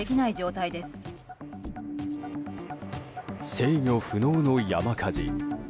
制御不能の山火事。